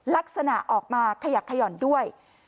ลักษณะออกมาขยักขย่อนด้วย